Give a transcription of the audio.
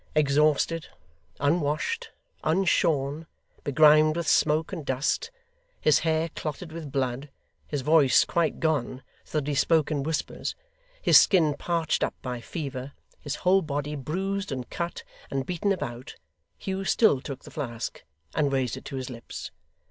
Exhausted, unwashed, unshorn, begrimed with smoke and dust, his hair clotted with blood, his voice quite gone, so that he spoke in whispers; his skin parched up by fever, his whole body bruised and cut, and beaten about, Hugh still took the flask, and raised it to his lips.